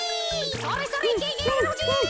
それそれいけいけやまのふじ！